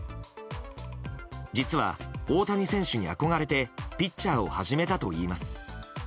実は、大谷選手に憧れてピッチャーを始めたといいます。